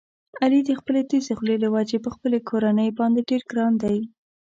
علي د خپلې تېزې خولې له وجې په خپله کورنۍ باندې ډېر ګران دی.